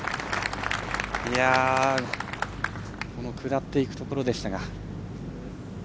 この下っていくところでしたが。